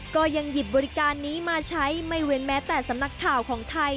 ก็ยังหยิบบริการนี้มาใช้ไม่เว้นแม้แต่สำนักข่าวของไทย